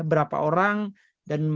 berapa orang dan berapa